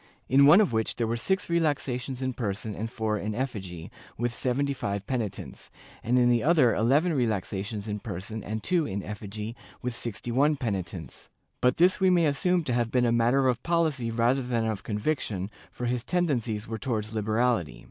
Chap I] PORTUGUESE JEWS 281 which there were six relaxations in person and four in effigy, with seventy five penitents, and in the other eleven relaxations in person and two in effigy, with sixty one penitents,^ but this we may assume to have been a matter of policy rather than of conviction, for his tendencies were towards liberality.